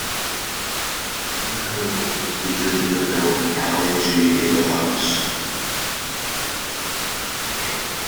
"Incredible" was featured in the film "Ali G Indahouse".